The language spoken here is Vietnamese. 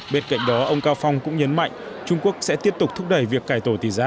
bên cạnh đó ông cao phong cũng nhấn mạnh trung quốc sẽ tiếp tục thúc đẩy việc cải tổ tỷ giá